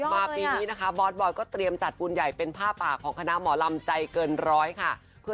มาปีนี้นะคะบอสบอยก็เตรียมจัดบุญใหญ่เป็นผ้าปากของคณะหมอลำใจเกินร้อยค่ะ